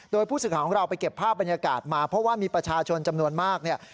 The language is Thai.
โดยผู้สื่อข่าวของเราไปเก็บภาพบรรยากาศมาเพราะว่ามีประชาชนจำนวนมากเนี่ย